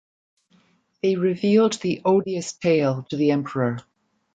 They revealed the odious tale to the emperor.